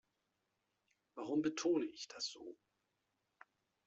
Warum betone ich das so?